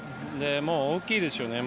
大きいですね